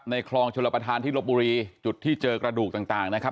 คลองชลประธานที่ลบบุรีจุดที่เจอกระดูกต่างนะครับ